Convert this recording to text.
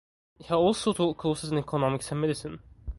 He also taught courses in economics and medicine.